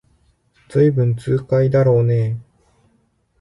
ずいぶん痛快だろうねえ